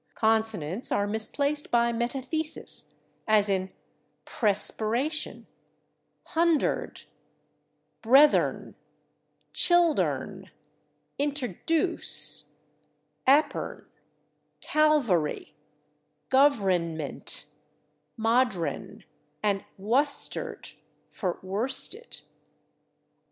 Consonants are misplaced by metathesis, as in /prespiration/, /hunderd/, [Pg239] /brethern/, /childern/, /interduce/, /apern/, /calvary/, /govrenment/, /modren/ and /wosterd/ (for /worsted